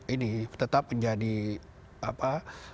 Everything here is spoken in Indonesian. ini tetap menjadi apa